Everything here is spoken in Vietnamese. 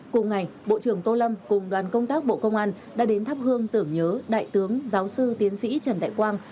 cùng ngày bộ trưởng tô lâm cùng đoàn công tác bộ công an đã đến thắp hương tưởng nhớ đại tướng giáo sư tiến sĩ trần đại quang